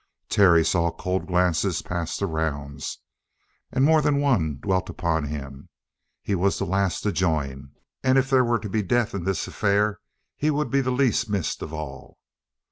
Terry saw cold glances pass the rounds, and more than one dwelt upon him. He was the last to join; if there were to be a death in this affair, he would be the least missed of all.